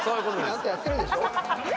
ちゃんとやってるでしょ？